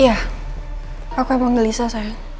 iya aku emang gelisah sayang